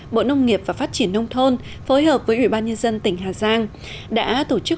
bộ nông nghiệp và phát triển nông thôn phối hợp với ủy ban nhân dân tỉnh hà giang đã tổ chức